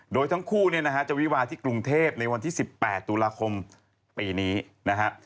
โดยทั้งคู่เนี่ยนะฮะจะวิวาที่กรุงเทพในวันที่๑๘ตุลาคมปีนี้นะฮะ